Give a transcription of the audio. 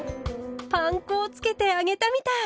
パン粉をつけて揚げたみたい！